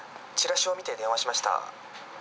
チラシを見て電話しました。